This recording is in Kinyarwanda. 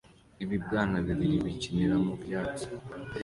Ibibwana bibiri bikinira mu byatsi